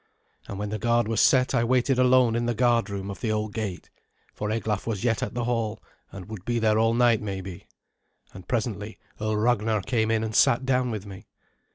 And when the guard was set I waited alone in the guardroom of the old gate, for Eglaf was yet at the hall, and would be there all night maybe. And presently Earl Ragnar came in and sat down with me.